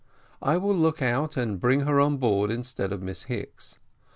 I will look out for and bring her on board instead of Miss Hicks.